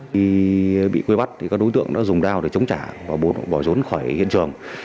khi bị quê bắt các đối tượng đã dùng dao để chống trả và bỏ rốn khỏi hiện trường